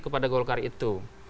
kepada golkar itu